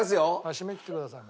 締め切ってください。